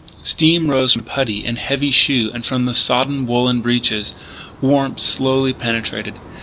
Steam rose from puttee and heavy shoe and from the sodden woollen breeches. Warmth slowly penetrated.